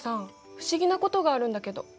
不思議なことがあるんだけど？